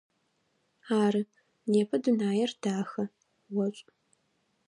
Ары, непэ дунаир дахэ, ошӏу.